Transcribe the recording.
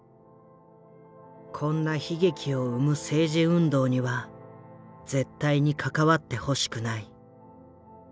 こんな悲劇を生む政治運動には絶対に関わってほしくない。